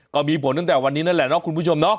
ก็มีผลตั้งแต่วันนี้นั่นแหละเนาะคุณผู้ชมเนาะ